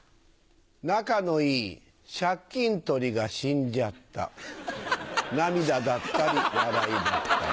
仲のいい借金取りが死んじゃった涙だったり笑いだったり。